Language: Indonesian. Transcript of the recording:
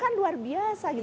kan luar biasa gitu